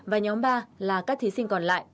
và nhóm ba là các thí sinh còn lại